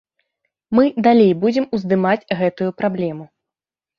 Мы далей будзем уздымаць гэтую праблему.